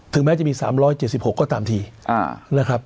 แม้จะมี๓๗๖ก็ตามทีนะครับ